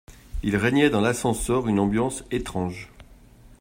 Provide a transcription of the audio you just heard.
Il régnait dans l’ascenseur une ambiance étrange